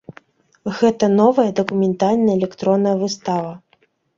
Гэта новая дакументальная электронная выстава.